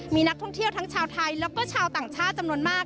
มีนักท่องเที่ยวทั้งชาวไทยแล้วก็ชาวต่างชาติจำนวนมาก